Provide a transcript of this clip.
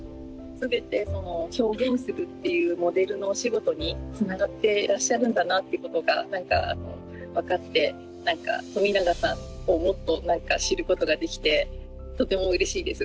全てその表現するっていうモデルのお仕事につながっていらっしゃるんだなっていうことが何か分かって冨永さんをもっと知ることができてとてもうれしいです。